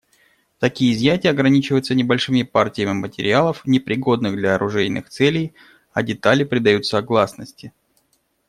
Такие изъятия ограничиваются небольшими партиями материалов, непригодных для оружейных целей, а детали предаются гласности.